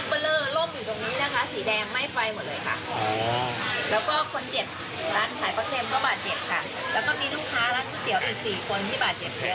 เป็น๔คนที่บาดเจ็บด้วยนะคะ